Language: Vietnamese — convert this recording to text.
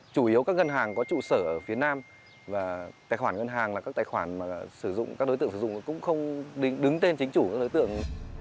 chủ yếu các ngân hàng có trụ sở ở phía nam và tài khoản ngân hàng là các tài khoản mà sử dụng các đối tượng sử dụng cũng không đứng tên chính chủ các đối tượng